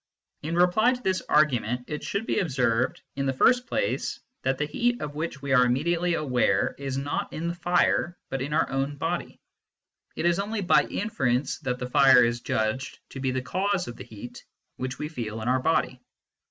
In reply to this argument, it should be observed in the first place that the heat of which we are immediately aware is not in the fire but in our own body. It is only by inference that the fire is judged to be the cause of the heat which we feel in our body.